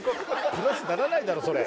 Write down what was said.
プラスにならないだろそれ。